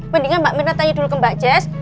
mendingan mbak mirna tanya dulu ke mbak jess